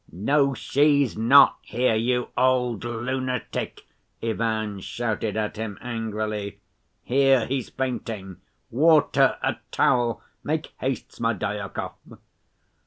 "No, she's not here, you old lunatic!" Ivan shouted at him angrily. "Here, he's fainting! Water! A towel! Make haste, Smerdyakov!"